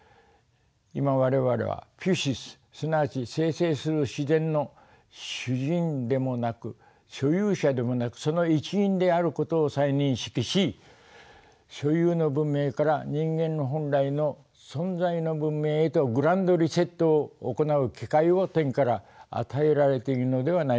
今我々はピュシスすなわち生成する自然の主人でもなく所有者でもなくその一員であることを再認識し所有の文明から人間の本来の存在の文明へとグランド・リセットを行う機会を天から与えられているのではないでしょうか。